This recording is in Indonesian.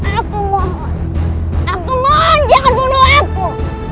aku mohon aku mohon jangan bunuh aku